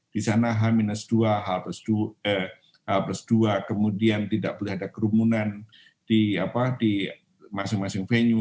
di sana h dua h dua kemudian tidak boleh ada kerumunan di masing masing venue